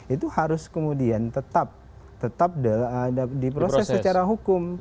itu harus kemudian tetap di proses secara hukum